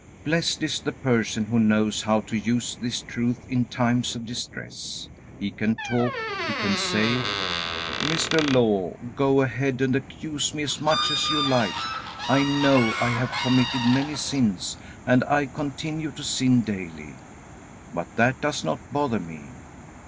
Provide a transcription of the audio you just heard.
Blessed is the person who knows how to use this truth in times of distress. He can talk. He can say: "Mr. Law, go ahead and accuse me as much as you like. I know I have committed many sins, and I continue to sin daily. But that does not bother me.